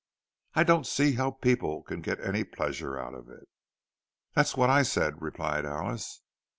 "I don't see how people can get any pleasure out of it." "That's what I said," replied Alice.